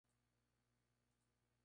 Promo Digital